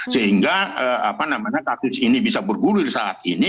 sehingga kasus ini bisa bergulir saat ini